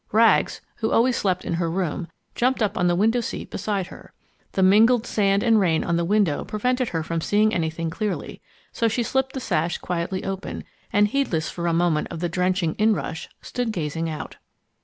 Rags, who always slept in her room, jumped up on the window seat beside her. The mingled sand and rain on the window prevented her from seeing anything clearly, so she slipped the sash quietly open, and, heedless for a moment of the drenching inrush, stood gazing out.